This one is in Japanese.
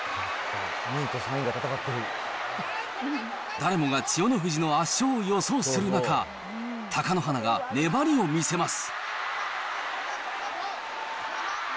誰もが千代の富士の圧勝を予想する中、貴乃花が粘りを見せます。